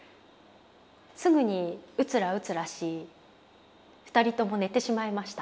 すぐにうつらうつらし２人とも寝てしまいました。